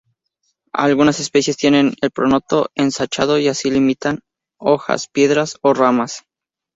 Algunas especies tienen el pronoto ensanchado y así imitan hojas, piedras o ramas.